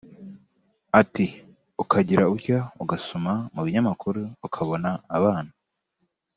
Ati “Ukagira utya ugasoma mu binyamakuru ukabona abana